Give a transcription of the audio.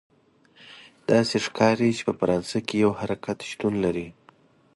داسې ښکاري چې په فرانسه کې یو حرکت شتون لري.